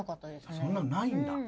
そんなのないんだ。